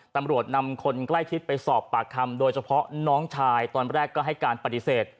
ตำรวจนำคนใกล้ชิดไปสอบปากคำโดยเฉพาะน้องชายตอนแรกก็ให้การปฏิเสธ